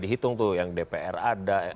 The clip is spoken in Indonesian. dihitung tuh yang dpr ada